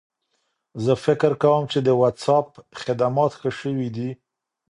زه فکر کوم چې د وټساپ خدمات ښه شوي دي.